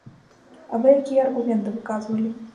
А вы якія аргументы выказвалі?